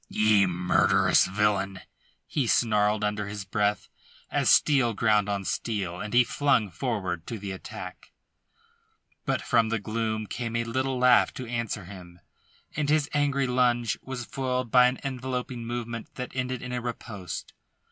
"Ye murderous villain," he snarled under his breath, as steel ground on steel, and he flung forward to the attack. But from the gloom came a little laugh to answer him, and his angry lunge was foiled by an enveloping movement that ended in a ripost.